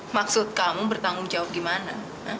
maksud kamu bertanggung jawab gimana